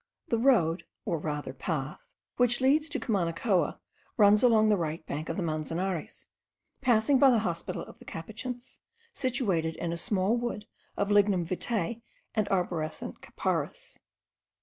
The road, or rather path, which leads to Cumanacoa, runs along the right bank of the Manzanares, passing by the hospital of the Capuchins, situated in a small wood of lignum vitae and arborescent capparis.